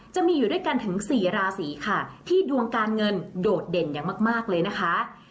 จะมีอยู่ด้วยกันถึงสี่ราศีค่ะที่ดวงการเงินโดดเด่นอย่างมากเลยนะคะ